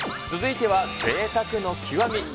続いてはぜいたくの極み！